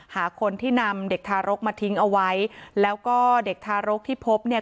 หาคนที่นำเด็กทารกมาทิ้งเอาไว้แล้วก็เด็กทารกที่พบเนี่ย